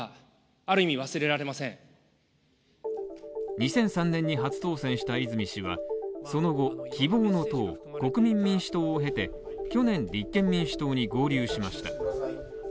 ２００３年に初当選した泉氏はその後、希望の党国民民主党を経て去年、立憲民主党に合流しました